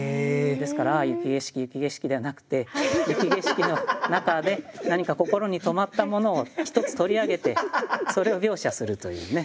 ですから「ああ雪景色雪景色」ではなくて雪景色の中で何か心に留まったものを１つ取り上げてそれを描写するというね。